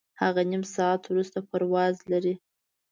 هغه نیم ساعت وروسته پرواز لري.